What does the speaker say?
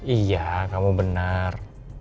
iya kamu benar